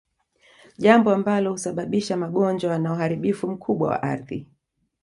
Jambo ambalo husababisha magonjwa na uharibifu mkubwa wa ardhi